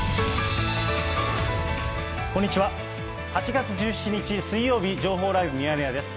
８月１７日水曜日、情報ライブミヤネ屋です。